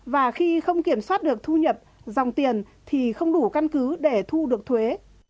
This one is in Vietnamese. và khi không kiểm soát được thu nhập dòng tiền thì không đủ căn cứ để thu được thuế